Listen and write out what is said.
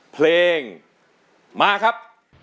เพลงมาครับ